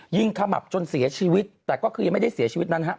ขมับจนเสียชีวิตแต่ก็คือยังไม่ได้เสียชีวิตนั้นฮะ